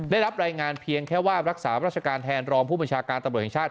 ได้รับรายงานเพียงแค่ว่ารักษาราชการแทนรองผู้บัญชาการตำรวจแห่งชาติ